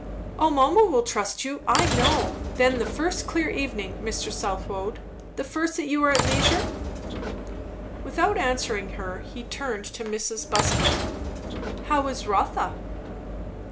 "O mamma will trust you, I know. Then the first clear evening, Mr. Southwode? the first that you are at leisure?" Without answering her he turned to Mrs. Busby. "How is Rotha?"